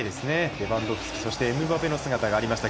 レバンドフスキエムバペの姿がありました。